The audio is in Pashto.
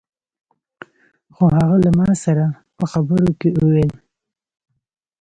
خو هغه له ما سره په خبرو کې وويل.